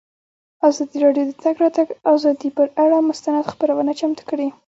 ازادي راډیو د د تګ راتګ ازادي پر اړه مستند خپرونه چمتو کړې.